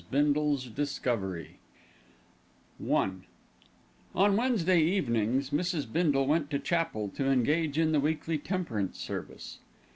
BINDLE'S DISCOVERY I On Wednesday evenings, Mrs. Bindle went to chapel to engage in the weekly temperance service.